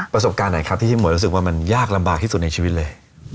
ประสบการณ์ไหนครับที่พี่หวยรู้สึกว่ามันยากลำบากที่สุดในชีวิตเลย